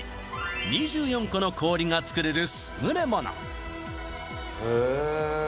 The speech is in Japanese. ２４個の氷が作れるすぐれものへえ